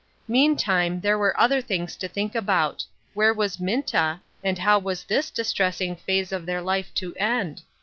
Meantime, there were other things to think about. Where was Minta, and how was this dis tressing phase of their life to end